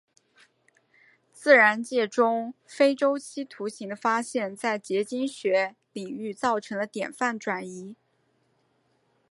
自然界中非周期图形的发现在结晶学领域造成了典范转移。